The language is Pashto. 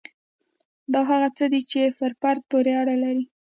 دا هغه څه دي چې پر فرد پورې اړه لري.